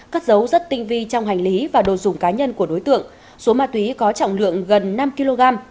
cất dấu rất tinh vi trong hành lý và đồ dùng cá nhân của đối tượng số ma túy có trọng lượng gần năm kg